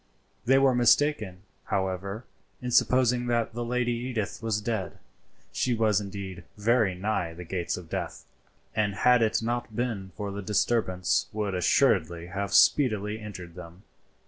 They were mistaken, however, in supposing that the Lady Edith was dead. She was indeed very nigh the gates of death, and had it not been for the disturbance would assuredly have speedily entered them.